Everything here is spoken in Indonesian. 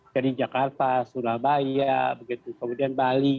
jadi jakarta surabaya begitu kemudian bali